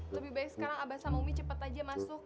lebih baik sekarang abah sama umi cepat aja masuk